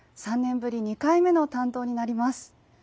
３年ぶり２回目の担当になります。